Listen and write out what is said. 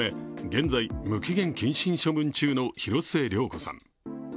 現在、無期限謹慎処分中の広末涼子さん。